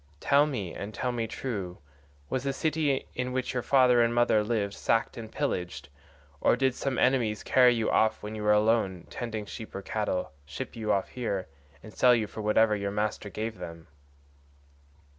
Tell me, and tell me true, was the city in which your father and mother lived sacked and pillaged, or did some enemies carry you off when you were alone tending sheep or cattle, ship you off here, and sell you for whatever your master gave them?"